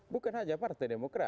bukan saja partai demokrat